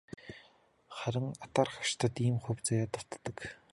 Харин атаархагчдад ийм хувь заяа дутдаг.